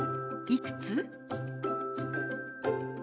「いくつ？」。